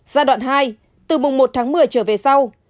giai đoạn hai từ mùng một tháng một mươi trở về sau